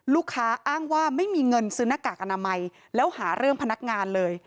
อ้างว่าไม่มีเงินซื้อหน้ากากอนามัยแล้วหาเรื่องพนักงานเลย